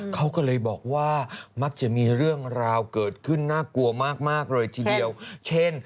เขาก็เลยบอกว่ามักจะมีเรื่องราวเกิดขึ้นน่ากลัวมากมากเลยทีเดียวเช่น